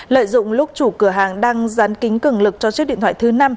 lợi dụng lúc chủ cửa hàng đang dán kính cường lực cho chiếc điện thoại thứ năm